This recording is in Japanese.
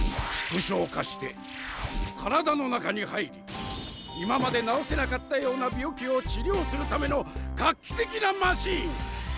縮小化して体の中に入り今まで治せなかったような病気を治療するための画期的なマシン。